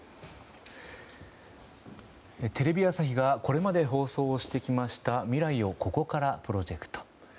テレビ朝日がこれまで放送してきました未来をここからプロジェクト。